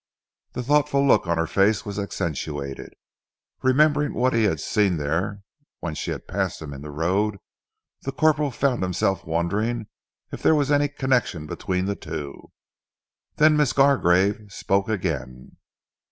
The thoughtful look on her face was accentuated. Remembering what he had seen there when she had passed him in the road, the corporal found himself wondering if there was any connection between the two. Then Miss Gargrave spoke again.